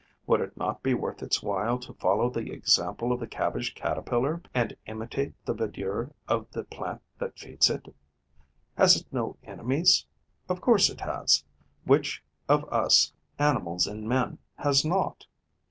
Would it not be worth its while to follow the example of the Cabbage caterpillar and imitate the verdure of the plant that feeds it? Has it no enemies? Of course it has: which of us, animals and men, has not?